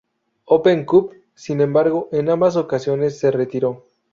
Open Cup, sin embargo en ambas ocasiones se retiró.